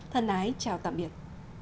thân ái chào tạm biệt